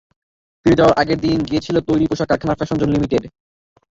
ফিরে যাওয়ার আগের দিন গিয়েছিলেন তৈরি পোশাক কারখানা ফ্যাশন জোন লিমিটেডে।